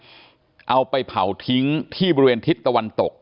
เอาไปเผาทิ้งที่บริเวณทิศตะวันตก